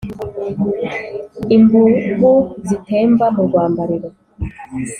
imbugu zitemba mu rwambariro